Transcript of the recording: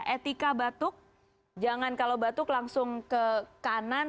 etika batuk jangan kalau batuk langsung ke kanan